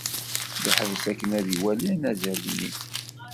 Yeḥbes akken ad iwali anazal-nni.